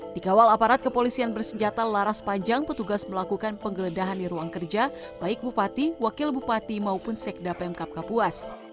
di kawal aparat kepolisian bersenjata laras panjang petugas melakukan penggeledahan di ruang kerja baik bupati wakil bupati maupun sekda pemkap kapuas